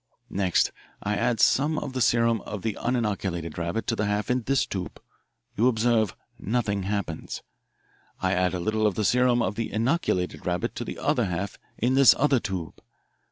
"Next I add some of the serum of the uninoculated rabbit to the half in this tube. You observe, nothing happens. I add a little of the serum of the inoculated rabbit to the other half in this other tube.